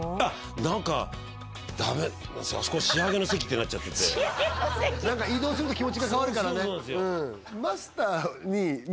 何かダメあそこは仕上げの席ってなっちゃってて仕上げの席移動すると気持ちが変わるからねそうなんですよしますよ